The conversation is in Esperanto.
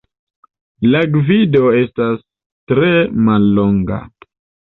La gvido estas tre mallonga.